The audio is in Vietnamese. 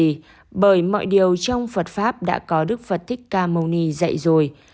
ông tú nói bởi mọi điều trong phật pháp đã có đức phật thích ca mâu ni dạy rồi